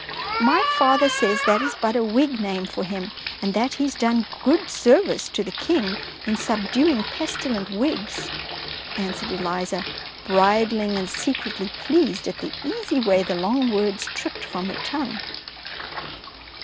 " My father says that is but a Whig name for him, and that he has done good service to the King in subduing 235 DEEDS OF DABING pestilent Whigs/' answered Eliza, bri dling, and secretly pleased at the easy way the long words tripped from her tongue.